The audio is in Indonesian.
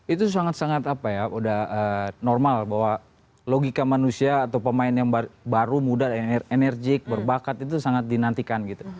itu sangat sangat apa ya udah normal bahwa logika manusia atau pemain yang baru muda enerjik berbakat itu sangat dinantikan gitu